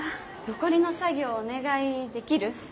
残りの作業お願いできる？